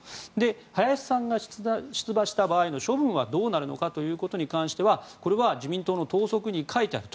林さんが出馬した場合の処分はどうなるのかということに関してはこれは自民党の党則に書いてあると。